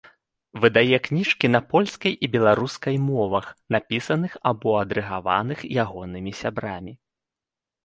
Выдае кніжкі на польскай і беларускай мовах, напісаных або адрэдагаваных ягонымі сябрамі.